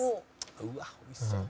うわっおいしそう。